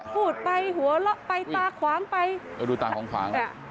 พูดไปหัวโละไปตาของไป